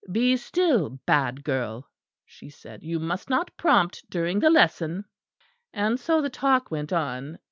"Be still, bad girl," she said. "You must not prompt during the lesson." And so the talk went on.